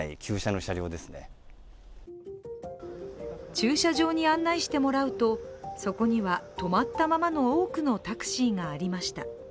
駐車場に案内してもらうと、そこには止まったままの多くのタクシーがありました。